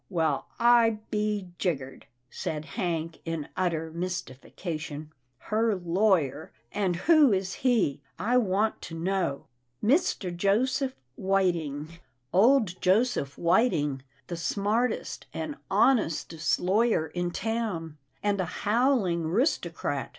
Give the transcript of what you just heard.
" Well I be jiggered," said Hank, in utter mysti fication, " her lawyer — and who is he, I want to know? "" Mr. Joseph Whiting." 292 'TILDA JANE'S ORPHANS " Old Joseph Whiting — the smartest and hon estest lawyer in town, and a howling 'ristocrat.